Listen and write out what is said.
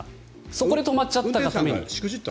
そこで止まっちゃったために。